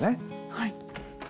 はい。